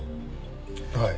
はい。